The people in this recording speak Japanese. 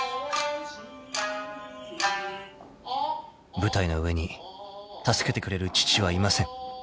［舞台の上に助けてくれる父はいません］